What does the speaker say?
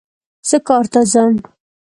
زه کار ته ځم